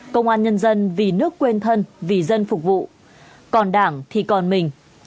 công an nhân dân vì nước quên thân vì dân phục vụ còn đảng thì còn mình